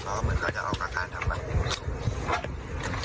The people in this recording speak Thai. ใช่เพราะว่าเขาจะเอาการทำอะไร